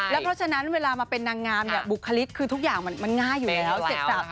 เพราะฉะนั้นเวลามาเป็นนางงามเนี่ยบุคลิกคือทุกอย่างมันง่ายอยู่แล้วเสร็จสับ